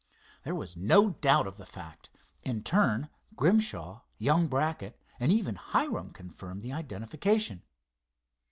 There was no doubt of the fact. In turn Grimshaw, young Brackett and even Hiram confirmed the identification.